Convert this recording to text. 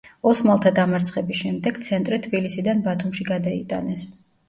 ოსმალთა დამარცხების შემდეგ ცენტრი თბილისიდან ბათუმში გადაიტანეს.